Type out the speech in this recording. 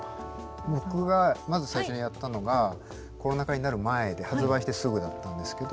僕がまず最初にやったのがコロナ禍になる前で発売してすぐだったんですけど。